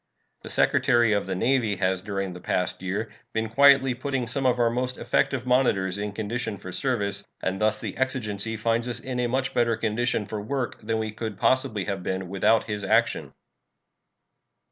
The Secretary of the Navy has during the past year been quietly putting some of our most effective monitors in condition for service, and thus the exigency finds us in a much better condition for work than we could possibly have been without his action.